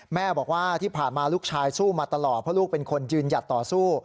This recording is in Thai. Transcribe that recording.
แม่บอกว่าที่ผ่านมาลูกชายสู้มาตลอดเพราะลูกเป็นคนยืนหยัดต่อสู้